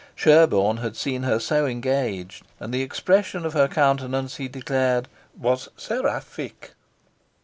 Sherborne had seen her so engaged, and the expression of her countenance, he declared, was seraphic.